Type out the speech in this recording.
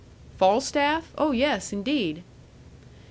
"Falstaff? Oh, yes, indeed."